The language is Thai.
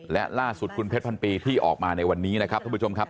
และล่าสุดคุณเพชรพันปีที่ออกมาในวันนี้นะครับท่านผู้ชมครับ